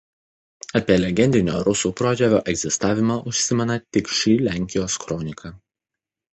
Apie legendinio rusų protėvio egzistavimą užsimena tik ši Lenkijos kronika.